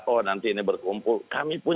oh nanti ini berkumpul kami pun